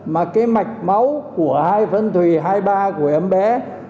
mà cái mạch máu của hai phân thủy hai mươi ba của em bé